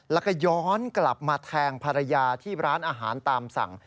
แล้วก็ย้อนกลับมาแทงภรรยาที่ร้านอาหารตามสั่ง